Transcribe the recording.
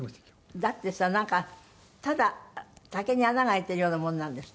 だってさなんかただ竹に穴が開いているようなものなんですって？